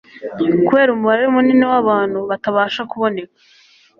kubera umubare munini w'abantu batabasha kuboneka